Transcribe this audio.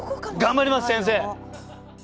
頑張ります先生！